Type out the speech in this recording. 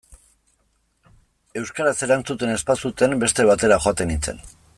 Euskaraz erantzuten ez bazuten, beste batera joaten nintzen.